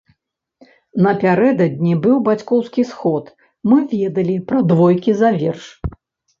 Напярэдадні быў бацькоўскі сход, мы ведалі пра двойкі за верш.